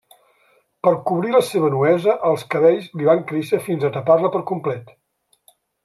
Per cobrir la seva nuesa, els cabells li van créixer fins a tapar-la per complet.